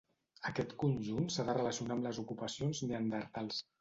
Aquest conjunt s'ha de relacionar amb les ocupacions neandertals.